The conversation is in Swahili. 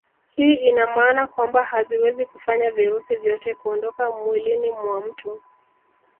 Hii ina maana kwamba haziwezi kufanya virusi vyote kuondoka mwilini mwa mtu